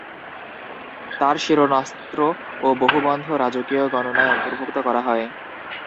তাঁর শিরস্ত্রাণ ও বাহুবন্ধ রাজকীয় গণনায় অন্তর্ভুক্ত করা হয়।